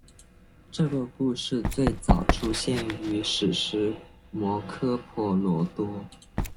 这个故事最早出现于史诗摩诃婆罗多。